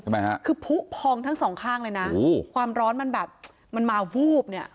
ทำไมฮะคือผู้พองทั้งสองข้างเลยนะความร้อนมันแบบมันมาวูบเนี่ย